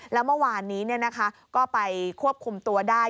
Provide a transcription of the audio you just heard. แล้วเมื่อวานนี้ก็ไปควบคุมตัวได้